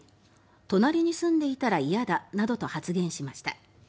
隣に住んでいたら嫌だなどと発言しました。